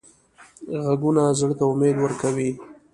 غږونه زړه ته امید ورکوي